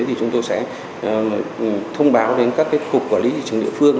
thì chúng tôi sẽ thông báo đến các cái cục quản lý trường địa phương